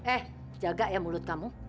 eh jaga ya mulut kamu